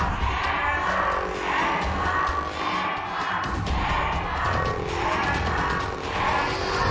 แพงค่ะ